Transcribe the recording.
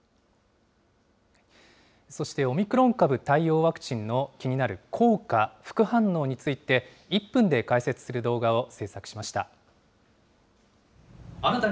そしてオミクロン株対応ワクチンの気になる効果、副反応について、１分で解説する動画を制作しました。